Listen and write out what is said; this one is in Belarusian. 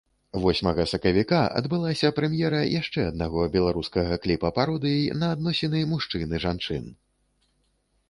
Восьмага сакавіка адбылася прэм'ера яшчэ аднаго беларускага кліпа-пародыі на адносіны мужчын і жанчын.